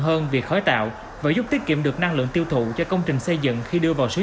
hơn vì khói tạo và giúp tiết kiệm được năng lượng tiêu thụ cho công trình xây dựng khi đưa vào sử